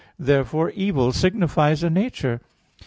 Therefore evil signifies a nature.